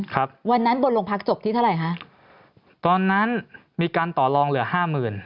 ครับวันนั้นบนโรงพักจบที่เท่าไหร่คะตอนนั้นมีการต่อลองเหลือห้าหมื่น